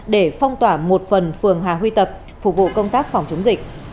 để phong tỏa một phần phường hà huy tập phục vụ công tác phòng chống dịch